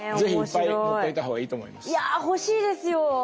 いや欲しいですよ。